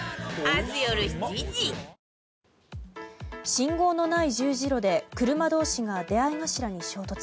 信号のない十字路で車同士が出会い頭に衝突。